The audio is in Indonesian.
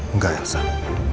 enggak ya sam